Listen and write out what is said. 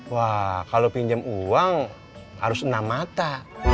wah kalau pinjam uang harus enam mata